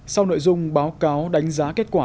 sau nội dung báo cáo đánh giá kết quả